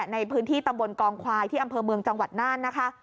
ในพื้นที่ตำบลกองควายที่อำเภอเมืองจังหวัดน่านนะคะ